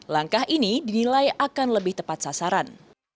langkah ini dinilai akan lebih tepat sasaran